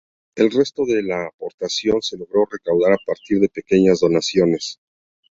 El resto de la aportación se logró recaudar a partir de pequeñas donaciones.